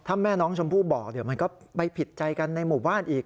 ถ้าแม่น้องชมพู่บอกเดี๋ยวมันก็ไปผิดใจกันในหมู่บ้านอีก